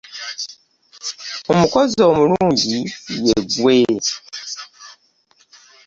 Omukozi omulungi ye ggwe.